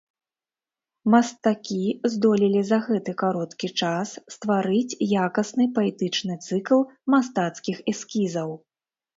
Мастакі здолелі за гэты кароткі час стварыць якасны паэтычны цыкл мастацкіх эскізаў.